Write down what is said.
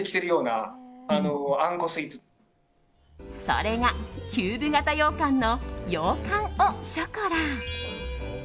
それがキューブ型ようかんのヨーカン・オ・ショコラ。